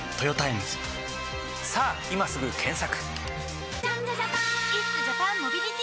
さぁ今すぐ検索！